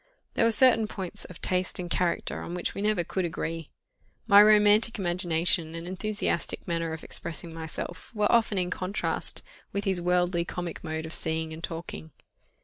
There were certain points of taste and character on which we never could agree; my romantic imagination and enthusiastic manner of expressing myself, were often in contrast with his worldly comic mode of seeing and talking.